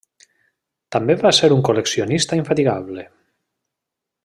També va ser un col·leccionista infatigable.